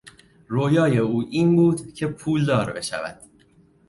رویای او این بود که پولدار بشود.